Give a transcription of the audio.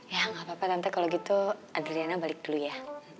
ya nggak apa apa nanti kalau gitu adriana balik dulu ya